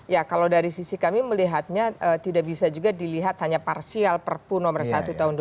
ya kalau dari sisi kami melihatnya tidak bisa juga dilihat hanya parsial perpu nomor satu tahun dua ribu dua